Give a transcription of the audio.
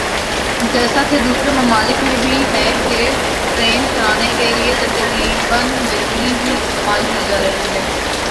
جیسا کہ دوسرے ممالک میں بھی ہے کہ ٹرین چلانے کیلئے تقریبا بجلی ہی استعمال کی جارہی ھے